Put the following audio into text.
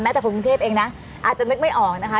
แต่คนกรุงเทพเองนะอาจจะนึกไม่ออกนะคะ